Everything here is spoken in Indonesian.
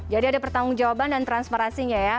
jadi ada pertanggung jawaban dan transparansinya ya